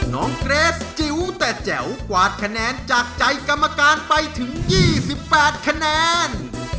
เกรสจิ๋วแต่แจ๋วกวาดคะแนนจากใจกรรมการไปถึง๒๘คะแนน